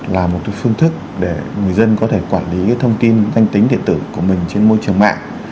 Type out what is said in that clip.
là một phương thức để người dân có thể quản lý thông tin danh tính điện tử của mình trên môi trường mạng